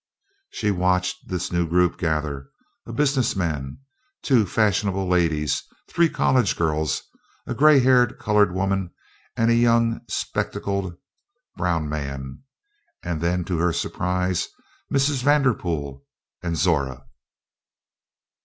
She watched this new group gather: a business man, two fashionable ladies, three college girls, a gray haired colored woman, and a young spectacled brown man, and then, to her surprise, Mrs. Vanderpool and Zora.